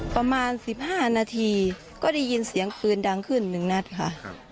ประมาณ๑๕นาทีก็ได้ยินเสียงปืนดังขึ้นหนึ่งนัดค่ะ